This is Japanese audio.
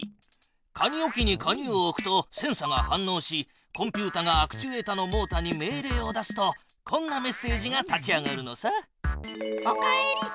鍵置きに鍵を置くとセンサが反のうしコンピュータがアクチュエータのモータに命令を出すとこんなメッセージが立ち上がるのさ。